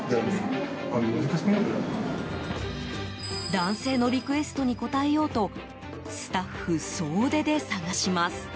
男性のリクエストに応えようとスタッフ総出で探します。